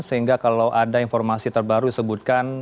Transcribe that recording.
sehingga kalau ada informasi terbaru sebutkan